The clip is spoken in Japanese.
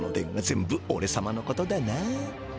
全部おれさまのことだな。